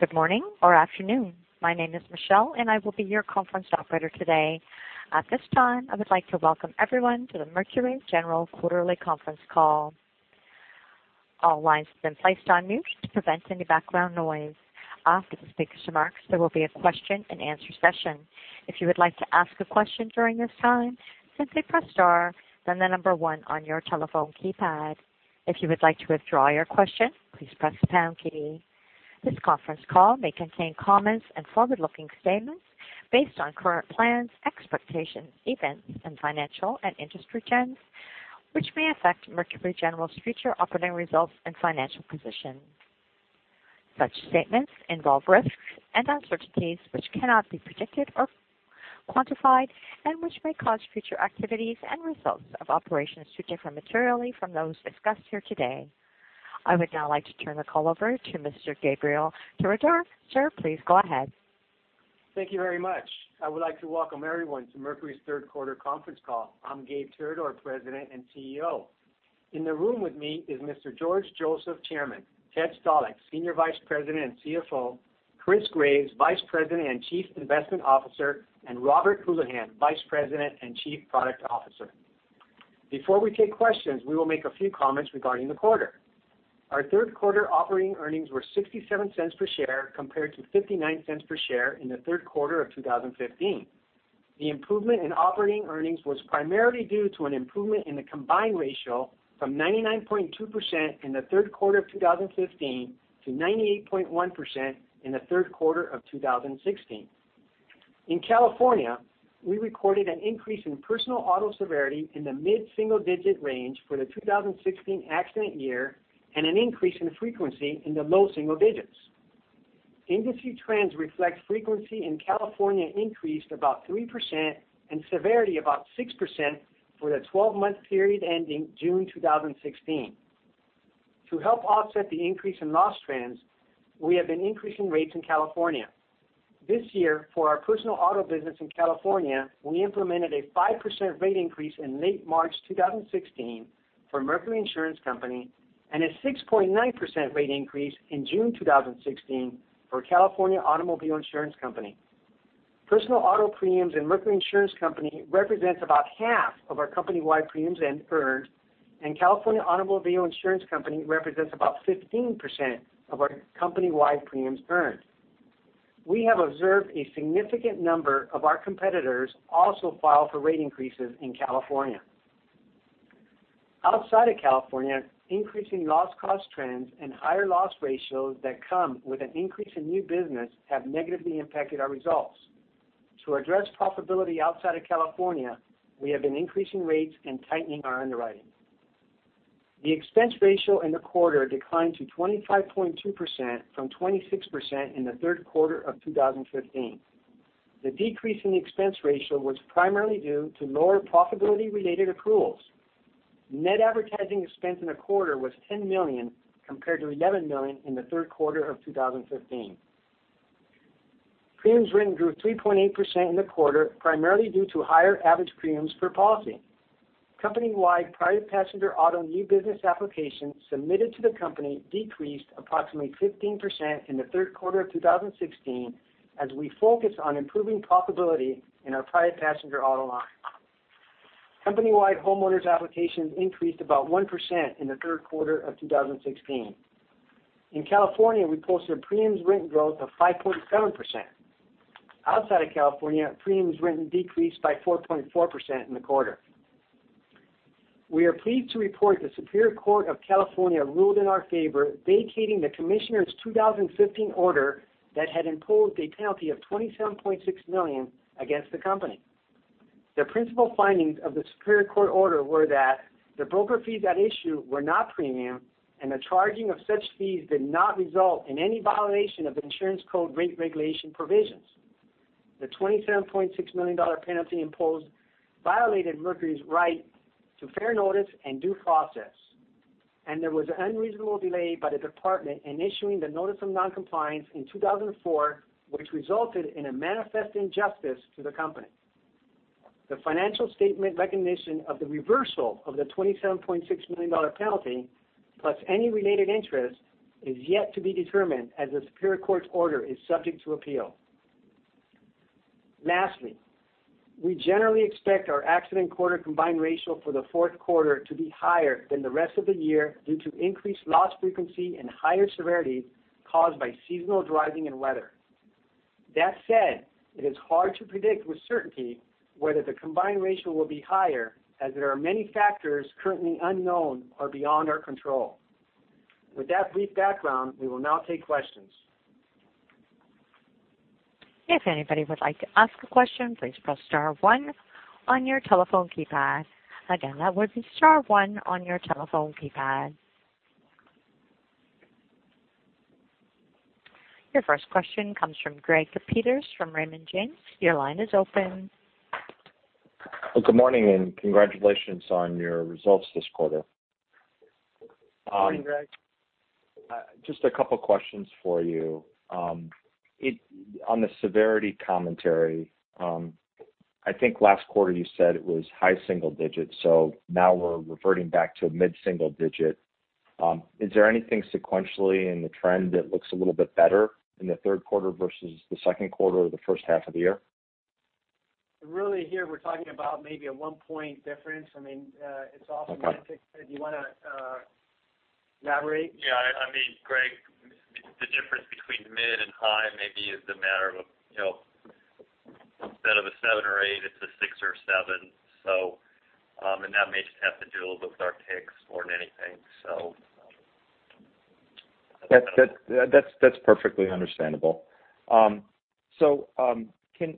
Good morning or afternoon. My name is Michelle, and I will be your conference operator today. At this time, I would like to welcome everyone to the Mercury General quarterly conference call. All lines have been placed on mute to prevent any background noise. After the speaker's remarks, there will be a question and answer session. If you would like to ask a question during this time, simply press star, then number 1 on your telephone keypad. If you would like to withdraw your question, please press the pound key. This conference call may contain comments and forward-looking statements based on current plans, expectations, events, and financial and industry trends, which may affect Mercury General's future operating results and financial position. Such statements involve risks and uncertainties which cannot be predicted or quantified and which may cause future activities and results of operations to differ materially from those discussed here today. I would now like to turn the call over to Mr. Gabriel Tirador. Sir, please go ahead. Thank you very much. I would like to welcome everyone to Mercury's third quarter conference call. I'm Gabe Tirador, President and CEO. In the room with me is Mr. George Joseph, Chairman, Ted Stalick, Senior Vice President and CFO, Chris Graves, Vice President and Chief Investment Officer, and Robert Houlihan, Vice President and Chief Product Officer. Before we take questions, we will make a few comments regarding the quarter. Our third quarter operating earnings were $0.67 per share compared to $0.59 per share in the third quarter of 2015. The improvement in operating earnings was primarily due to an improvement in the combined ratio from 99.2% in the third quarter of 2015 to 98.1% in the third quarter of 2016. In California, we recorded an increase in Personal Auto severity in the mid-single-digit range for the 2016 accident year and an increase in frequency in the low single digits. Industry trends reflect frequency in California increased about 3% and severity about 6% for the 12-month period ending June 2016. To help offset the increase in loss trends, we have been increasing rates in California. This year, for our Personal Auto business in California, we implemented a 5% rate increase in late March 2016 for Mercury Insurance Company and a 6.9% rate increase in June 2016 for California Automobile Insurance Company. Personal Auto premiums in Mercury Insurance Company represents about half of our company-wide premiums earned, and California Automobile Insurance Company represents about 15% of our company-wide premiums earned. We have observed a significant number of our competitors also file for rate increases in California. Outside of California, increasing loss cost trends and higher loss ratios that come with an increase in new business have negatively impacted our results. To address profitability outside of California, we have been increasing rates and tightening our underwriting. The expense ratio in the quarter declined to 25.2% from 26% in the third quarter of 2015. The decrease in the expense ratio was primarily due to lower profitability-related accruals. Net advertising expense in the quarter was $10 million, compared to $11 million in the third quarter of 2015. Premiums written grew 3.8% in the quarter, primarily due to higher average premiums per policy. Company-wide private passenger auto new business applications submitted to the company decreased approximately 15% in the third quarter of 2016 as we focus on improving profitability in our private passenger auto line. Company-wide Homeowners applications increased about 1% in the third quarter of 2016. In California, we posted premiums written growth of 5.7%. Outside of California, premiums written decreased by 4.4% in the quarter. We are pleased to report the Superior Court of California ruled in our favor, vacating the commissioner's 2015 order that had imposed a penalty of $27.6 million against the company. The principal findings of the Superior Court order were that the broker fees at issue were not premium and the charging of such fees did not result in any violation of insurance code rate regulation provisions. The $27.6 million penalty imposed violated Mercury's right to fair notice and due process, and there was unreasonable delay by the department in issuing the notice of non-compliance in 2004, which resulted in a manifest injustice to the company. The financial statement recognition of the reversal of the $27.6 million penalty, plus any related interest, is yet to be determined as the Superior Court's order is subject to appeal. We generally expect our accident quarter combined ratio for the fourth quarter to be higher than the rest of the year due to increased loss frequency and higher severity caused by seasonal driving and weather. That said, it is hard to predict with certainty whether the combined ratio will be higher as there are many factors currently unknown or beyond our control. With that brief background, we will now take questions. If anybody would like to ask a question, please press star one on your telephone keypad. Again, that would be star one on your telephone keypad. Your first question comes from Greg Peters from Raymond James. Your line is open. Good morning, and congratulations on your results this quarter. Morning, Greg. Just a couple questions for you. On the severity commentary I think last quarter you said it was high single digits, so now we're reverting back to mid single digit. Is there anything sequentially in the trend that looks a little bit better in the third quarter versus the second quarter or the first half of the year? Really here we're talking about maybe a one point difference. It's all. Okay semantics. Do you want to elaborate? Yeah, Greg, the difference between mid and high maybe is the matter of instead of a seven or eight, it's a six or a seven. That may just have to do a little bit with our kicks more than anything. That's perfectly understandable.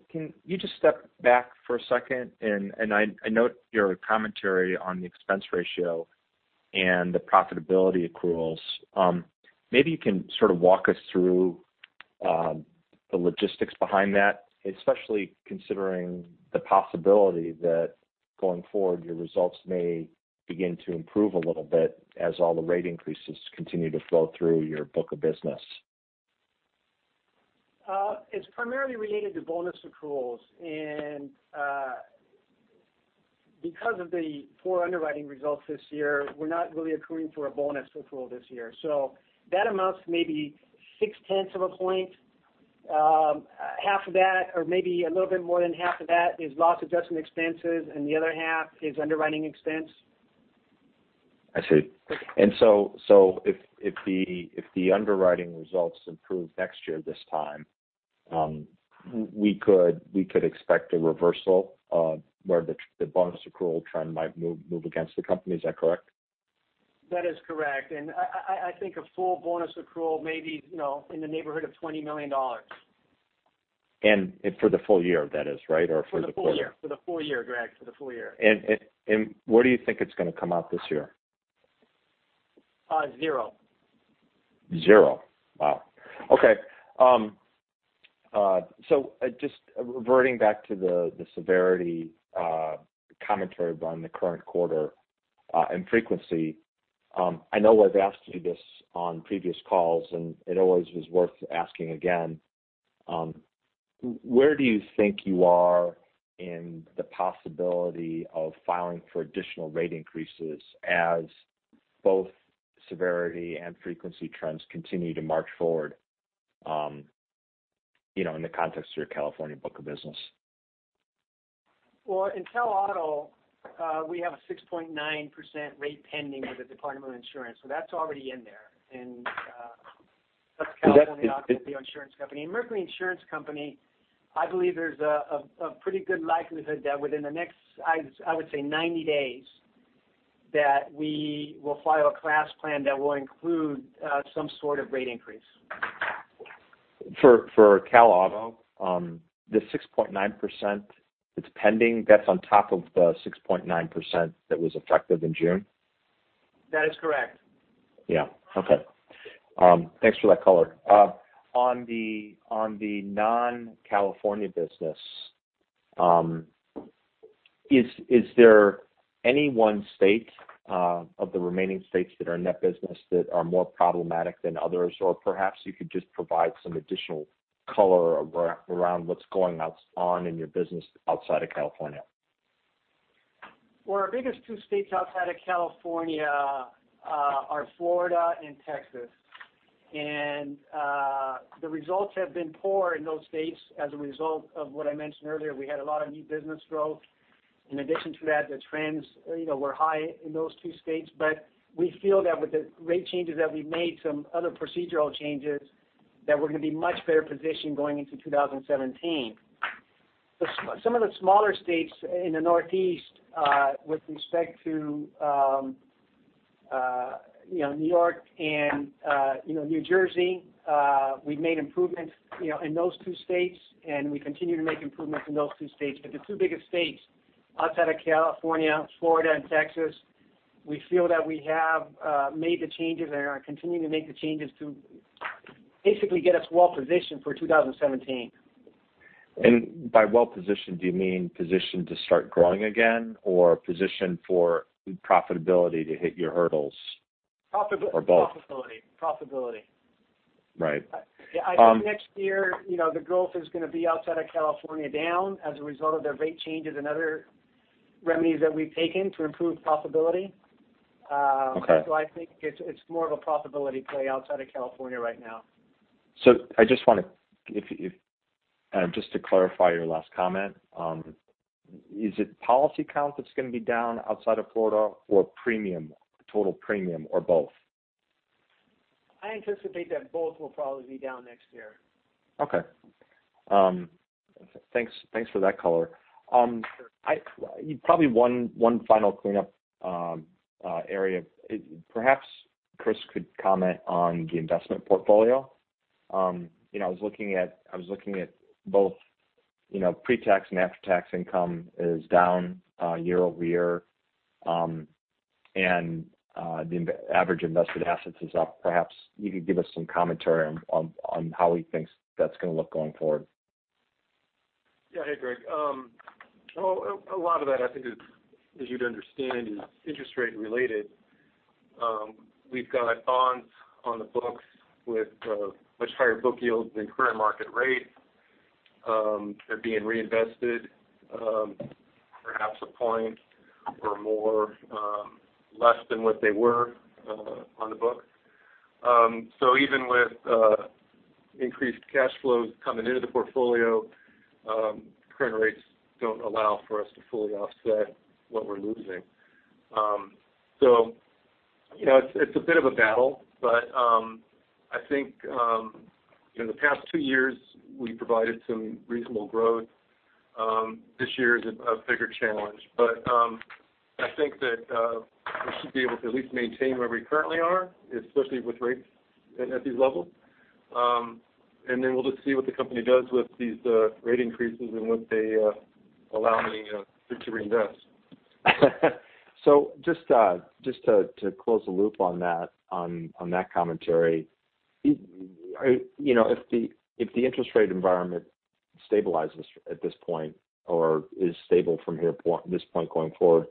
Can you just step back for a second? I note your commentary on the expense ratio and the profitability accruals. Maybe you can sort of walk us through the logistics behind that, especially considering the possibility that going forward, your results may begin to improve a little bit as all the rate increases continue to flow through your book of business. It's primarily related to bonus accruals, and because of the poor underwriting results this year, we're not really accruing for a bonus accrual this year. That amounts to maybe six tenths of a point. Half of that, or maybe a little bit more than half of that, is loss adjustment expenses, the other half is underwriting expense. I see. If the underwriting results improve next year at this time, we could expect a reversal where the bonus accrual trend might move against the company. Is that correct? That is correct. I think a full bonus accrual may be in the neighborhood of $20 million. For the full year, that is, right? For the quarter? For the full year, Greg. For the full year. Where do you think it's going to come out this year? Zero. Zero. Wow. Okay. Just reverting back to the severity commentary around the current quarter and frequency. I know I've asked you this on previous calls, and it always is worth asking again. Where do you think you are in the possibility of filing for additional rate increases as both severity and frequency trends continue to march forward, in the context of your California book of business? In Cal Auto, we have a 6.9% rate pending with the Department of Insurance, that's already in there. That's California Auto Insurance Company. Mercury Insurance Company, I believe there's a pretty good likelihood that within the next, I would say 90 days, that we will file a class plan that will include some sort of rate increase. For California Automobile, the 6.9%, it's pending. That's on top of the 6.9% that was effective in June? That is correct. Yeah. Okay. Thanks for that color. On the non-California business, is there any one state of the remaining states that are in that business that are more problematic than others? Or perhaps you could just provide some additional color around what's going on in your business outside of California. Well, our biggest two states outside of California are Florida and Texas, and the results have been poor in those states as a result of what I mentioned earlier. In addition to that, the trends were high in those two states. We feel that with the rate changes that we've made, some other procedural changes, that we're going to be much better positioned going into 2017. Some of the smaller states in the Northeast with respect to New York and New Jersey, we've made improvements in those two states, and we continue to make improvements in those two states. The two biggest states outside of California, Florida and Texas, we feel that we have made the changes and are continuing to make the changes to basically get us well-positioned for 2017. By well-positioned, do you mean positioned to start growing again or positioned for profitability to hit your hurdles? Or both? Profitability. Right. I think next year, the growth is going to be outside of California down as a result of the rate changes and other remedies that we've taken to improve profitability. Okay. I think it's more of a profitability play outside of California right now. Just to clarify your last comment, is it policy count that's going to be down outside of California or premium, total premium, or both? I anticipate that both will probably be down next year. Okay. Thanks for that color. Sure. Probably one final cleanup area. Perhaps Chris could comment on the investment portfolio. I was looking at both pre-tax and after-tax income is down year-over-year. The average invested assets is up. Perhaps you could give us some commentary on how he thinks that's going to look going forward. Yeah. Hey, Greg. A lot of that, I think, as you'd understand, is interest rate related. We've got bonds on the books with much higher book yields than current market rate. They're being reinvested perhaps a point or more less than what they were on the book. Even with increased cash flows coming into the portfolio, current rates don't allow for us to fully offset what we're losing. It's a bit of a battle, but I think in the past two years, we've provided some reasonable growth. This year is a bigger challenge, but I think that we should be able to at least maintain where we currently are, especially with rates at these levels. Then we'll just see what the company does with these rate increases and what they allow me to reinvest. Just to close the loop on that commentary. If the interest rate environment stabilizes at this point or is stable from this point going forward,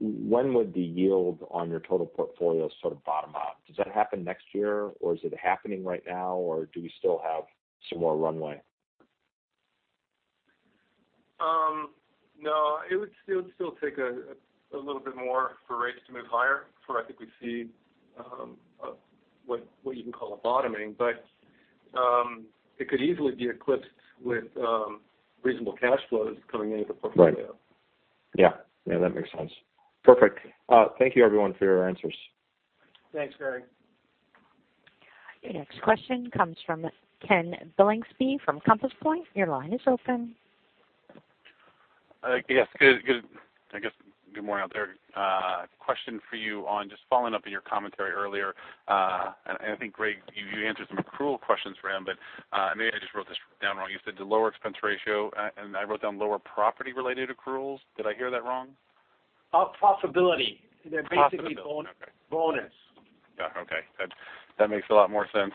when would the yield on your total portfolio sort of bottom out? Does that happen next year, or is it happening right now, or do we still have some more runway? No, it would still take a little bit more for rates to move higher before I think we'd see what you can call a bottoming, but it could easily be eclipsed with reasonable cash flows coming into the portfolio. Right. Yeah. No, that makes sense. Perfect. Thank you, everyone, for your answers. Thanks, Greg. Your next question comes from Ken Billingsley from Compass Point. Your line is open. Yes. I guess good morning out there. Question for you on just following up on your commentary earlier. I think, Greg, you answered some accrual questions for him, but maybe I just wrote this down wrong. You said the lower expense ratio, and I wrote down lower property-related accruals. Did I hear that wrong? Profitability. Profitability. Okay. They're basically bonus. Yeah. Okay. That makes a lot more sense.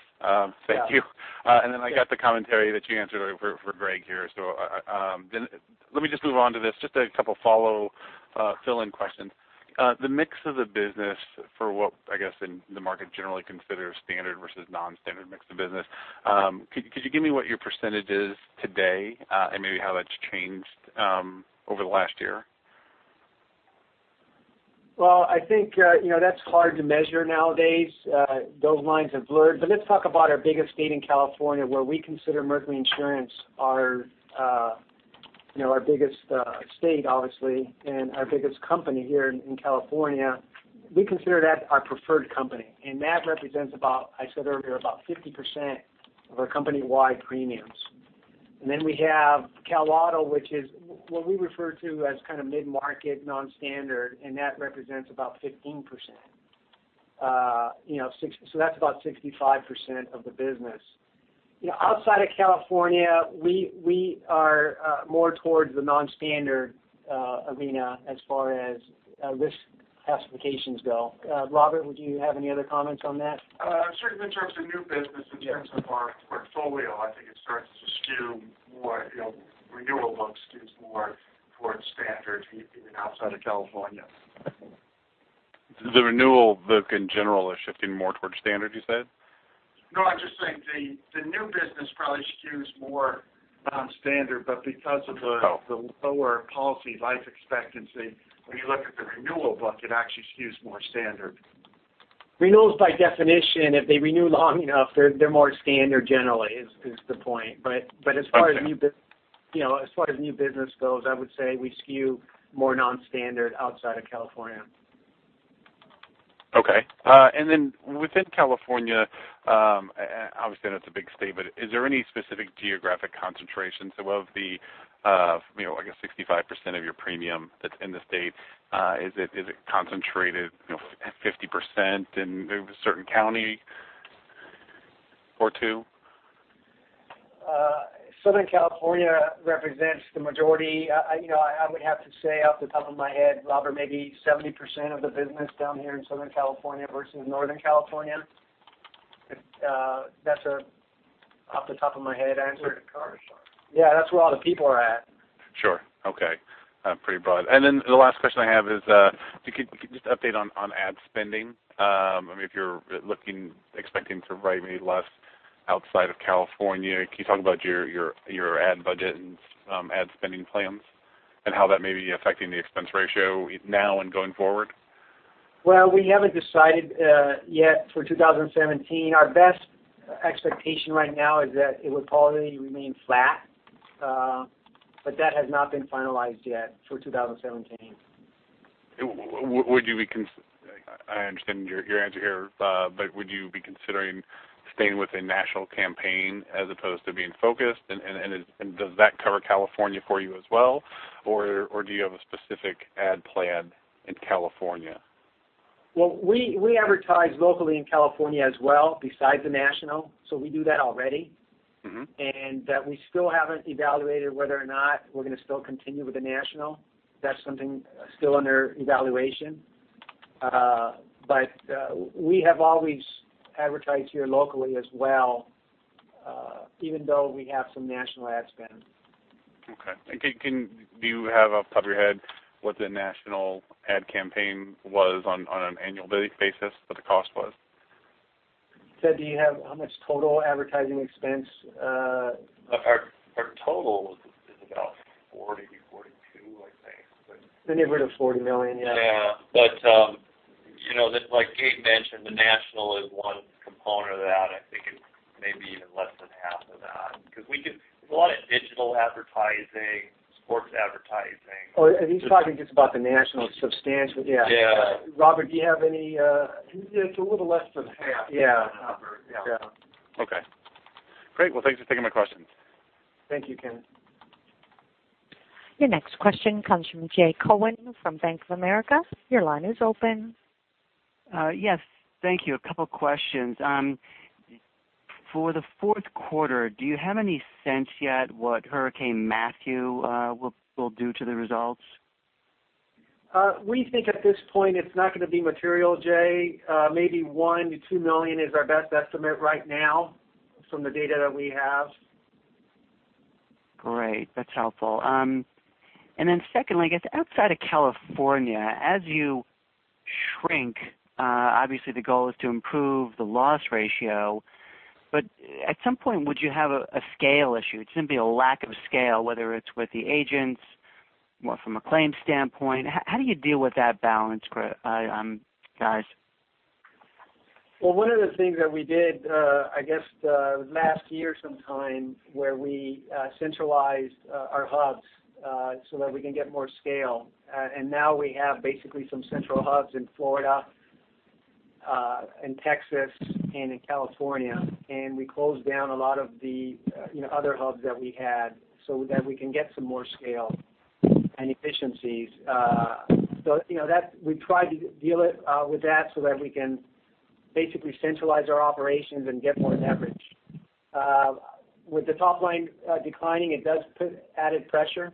Thank you. Yeah. I got the commentary that you answered for Greg here. Let me just move on to this, just a 2 of follow fill-in questions. The mix of the business for what I guess in the market generally considered standard versus non-standard mix of business, could you give me what your percentage is today, and maybe how that's changed over the last year? Well, I think that's hard to measure nowadays. Those lines have blurred. Let's talk about our biggest state in California, where we consider Mercury Insurance our biggest state, obviously, and our biggest company here in California. We consider that our preferred company. That represents about, I said earlier, about 50% of our company-wide premiums. We have Cal Auto, which is what we refer to as kind of mid-market non-standard, and that represents about 15%. That's about 65% of the business. Outside of California, we are more towards the non-standard arena as far as risk classifications go. Robert, would you have any other comments on that? Certainly in terms of new business, in terms of our portfolio, I think it starts to skew more, renewal book skews more towards standard even outside of California. The renewal book in general is shifting more towards standard, you said? I'm just saying the new business probably skews more non-standard, but because of the lower policy life expectancy, when you look at the renewal book, it actually skews more standard. Renewals by definition, if they renew long enough, they're more standard generally is the point. Okay. As far as new business goes, I would say we skew more non-standard outside of California. Within California, obviously, that's a big state, but is there any specific geographic concentration? Of the, I guess 65% of your premium that's in the state, is it concentrated 50% in a certain county or two? Southern California represents the majority. I would have to say off the top of my head, Robert, maybe 70% of the business down here in Southern California versus Northern California. That's an off the top of my head answer. Where the cars are. Yeah, that's where all the people are at. Sure. Okay. Pretty broad. The last question I have is, could you just update on ad spending? If you're expecting to write any less outside of California, can you talk about your ad budget and ad spending plans and how that may be affecting the expense ratio now and going forward? Well, we haven't decided yet for 2017. Our best expectation right now is that it would probably remain flat, but that has not been finalized yet for 2017. I understand your answer here, but would you be considering staying with a national campaign as opposed to being focused, and does that cover California for you as well, or do you have a specific ad plan in California? Well, we advertise locally in California as well besides the national, so we do that already. That we still haven't evaluated whether or not we're going to still continue with the national. That's something still under evaluation. We have always advertised here locally as well, even though we have some national ad spend. Okay. Do you have off the top of your head what the national ad campaign was on an annual basis, what the cost was? Ted, do you have how much total advertising expense? Our total is about $40-$42, I think. In the region of $40 million, yeah. Like Gabe mentioned, the national is one component of that. I think it's maybe even less than half of that. There's a lot of digital advertising, sports advertising. He's talking just about the national substantial, yeah. Yeah. Robert, do you have any? It's a little less than half. Yeah. Yeah. Okay. Great. Well, thanks for taking my questions. Thank you, Ken. Your next question comes from Jay Cohen from Bank of America. Your line is open. Yes. Thank you. A couple questions. For the fourth quarter, do you have any sense yet what Hurricane Matthew will do to the results? We think at this point it's not going to be material, Jay. Maybe $1 million-$2 million is our best estimate right now from the data that we have. Great. That's helpful. Secondly, I guess outside of California, as you shrink, obviously the goal is to improve the loss ratio. At some point, would you have a scale issue? It seems to be a lack of scale, whether it's with the agents or from a claims standpoint. How do you deal with that balance, guys? Well, one of the things that we did, I guess, last year sometime where we centralized our hubs so that we can get more scale. Now we have basically some central hubs in Florida, in Texas, and in California, and we closed down a lot of the other hubs that we had so that we can get some more scale and efficiencies. We tried to deal with that so that we can basically centralize our operations and get more leverage. With the top line declining, it does put added pressure.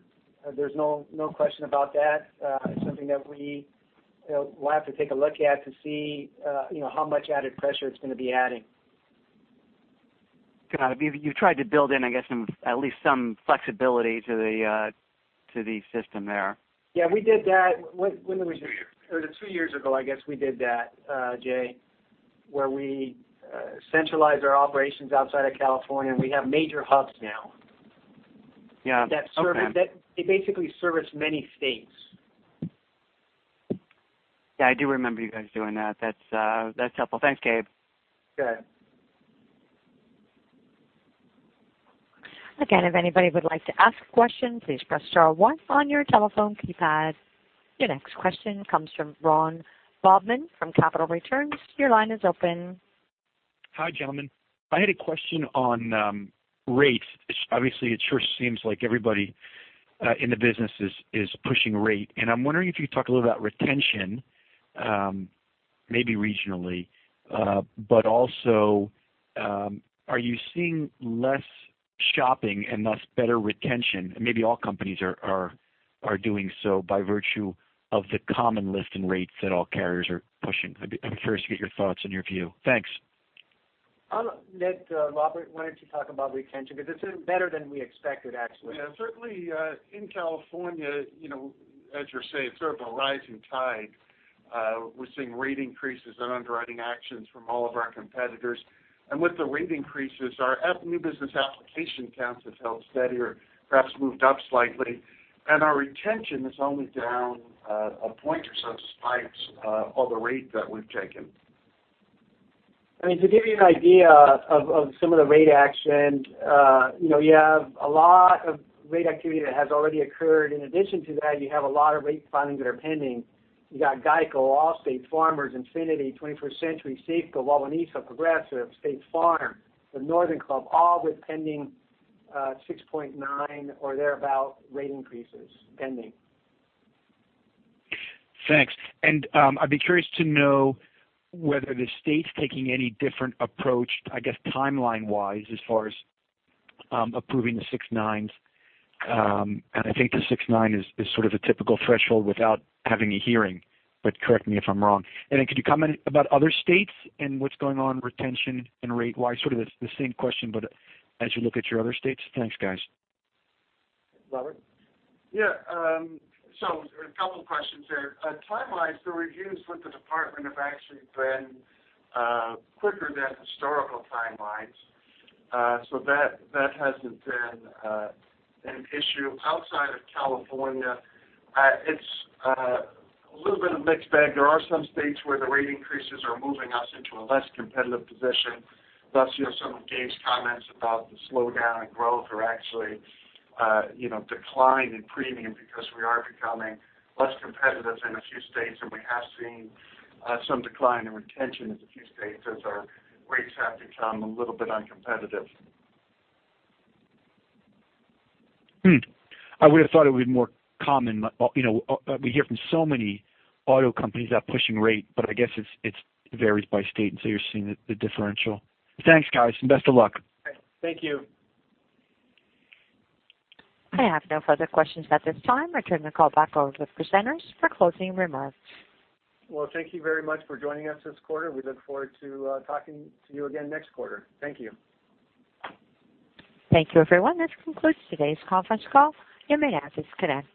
There's no question about that. It's something that we'll have to take a look at to see how much added pressure it's going to be adding. Got it. You've tried to build in, I guess, at least some flexibility to the system there. Yeah, we did that. When did we do that? It was two years ago, I guess we did that, Jay, where we centralized our operations outside of California, and we have major hubs now. Yeah. Okay. They basically service many states. Yeah, I do remember you guys doing that. That's helpful. Thanks, Gabe. Good. Again, if anybody would like to ask a question, please press star one on your telephone keypad. Your next question comes from Ron Bobman from Capital Returns. Your line is open. Hi, gentlemen. I had a question on rates. Obviously, it sure seems like everybody in the business is pushing rate. I'm wondering if you could talk a little about retention, maybe regionally. Also, are you seeing less shopping and thus better retention? Maybe all companies are doing so by virtue of the common list in rates that all carriers are pushing. I'd be curious to get your thoughts and your view. Thanks. I'll let Robert, why don't you talk about retention? Because this is better than we expected, actually. Yeah, certainly, in California, as you say, it's sort of a rising tide. We're seeing rate increases and underwriting actions from all of our competitors. With the rate increases, our new business application counts have held steadier, perhaps moved up slightly. Our retention is only down a point or so despite all the rate that we've taken. I mean, to give you an idea of some of the rate action, you have a lot of rate activity that has already occurred. In addition to that, you have a lot of rate filings that are pending. You got GEICO, Allstate, Farmers, Infinity, 21st Century, Safeco, La Luna, Progressive, State Farm, The Northern Club, all with pending 6.9% or thereabout rate increases pending. Thanks. I'd be curious to know whether the state's taking any different approach, I guess timeline-wise, as far as approving the 6.9s. I think the 6.9% is sort of a typical threshold without having a hearing, but correct me if I'm wrong. Could you comment about other states and what's going on retention and rate-wise? Sort of the same question, but as you look at your other states. Thanks, guys. Robert? Yeah. A couple of questions there. Timelines for reviews with the department have actually been quicker than historical timelines. That hasn't been an issue. Outside of California, it's a little bit of a mixed bag. There are some states where the rate increases are moving us into a less competitive position. Thus, some of Gabe's comments about the slowdown in growth or actually decline in premium because we are becoming less competitive in a few states, and we have seen some decline in retention in a few states as our rates have become a little bit uncompetitive. I would have thought it would be more common. We hear from so many auto companies that are pushing rate, I guess it varies by state. You're seeing the differential. Thanks, guys, and best of luck. Thank you. I have no further questions at this time. I turn the call back over to the presenters for closing remarks. Well, thank you very much for joining us this quarter. We look forward to talking to you again next quarter. Thank you. Thank you, everyone. This concludes today's conference call. You may disconnect.